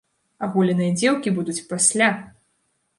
Аголеныя дзеўкі будуць пасля!